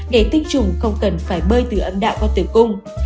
để tinh trùng không cần phải bơi từ âm đạo qua tử cung